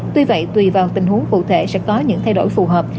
tuy vậy tùy vào tình huống cụ thể sẽ có những thay đổi phù hợp